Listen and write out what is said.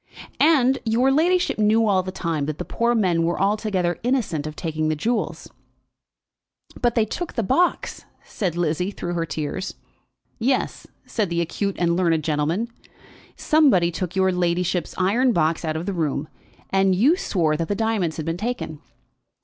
"And your ladyship knew all the time that the poor men were altogether innocent of taking the jewels?" "But they took the box," said Lizzie, through her tears. "Yes," said the acute and learned gentleman, "somebody took your ladyship's iron box out of the room, and you swore that the diamonds had been taken.